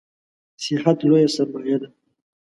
صحت لویه سرمایه ده